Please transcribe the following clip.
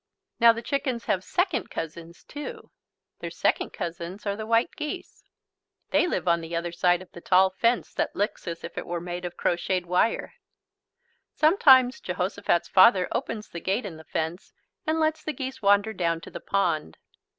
Now the chickens have second cousins too. Their second cousins are the white geese. They live on the other side of the tall fence that looks as if it were made of crocheted wire. Sometimes Jehosophat's father opens the gate in the fence and lets the geese wander down to the pond.